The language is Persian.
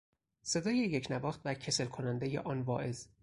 صدای یکنواخت و کسل کنندهی آن واعظ